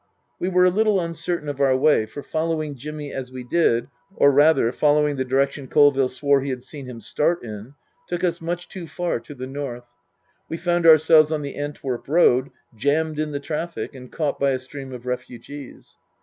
We were a little uncertain of our way, for following Jimmy as we did, or rather, following the direction Col ville swore he had seen him start in, took us much too far to the north. We found ourselves on the Antwerp road, jammed in the traffic, and caught by a stream of refugees.